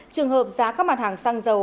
trường hợp giá các mặt hàng xăng dầu